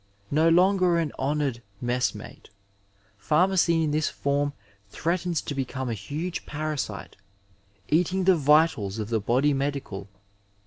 No longer an honoured messmate, pharmacy in this form threatens to become a huge parasite, eating the vitals of the body medical.